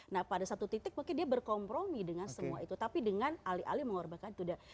nah pada satu titik mungkin dia berkompromi dengan semua itu tapi dengan alih alih mengorbankan itu